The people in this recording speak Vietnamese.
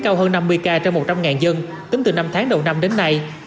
sốt xuất huyết cao hơn năm mươi ca trong một trăm linh dân tính từ năm tháng đầu năm đến nay